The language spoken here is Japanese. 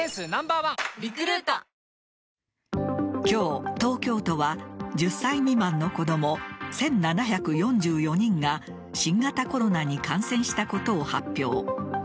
今日、東京都は１０歳未満の子供１７４４人が新型コロナに感染したことを発表。